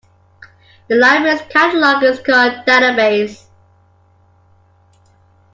The library's catalogue is called "Dadabase".